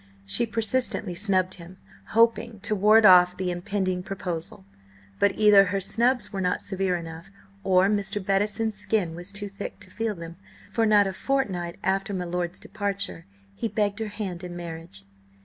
She persistently snubbed him, hoping to ward off the impending proposal, but either her snubs were not severe enough, or Mr. Bettison's skin was too thick to feel them; for not a fortnight after my lord's departure, he begged her hand in marriage.